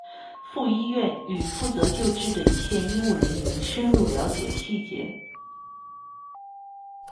赴医院与负责救治的一线医务人员深入了解细节